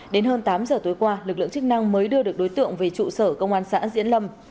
đến hơn tám giờ tối qua lực lượng chức năng mới đưa được đối tượng về trụ sở công an xã diễn lâm